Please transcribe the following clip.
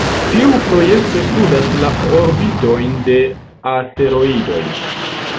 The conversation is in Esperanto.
Tiu projekto studas la orbitojn de asteroidoj.